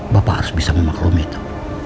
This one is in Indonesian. bapak harus bisa memaklumi itu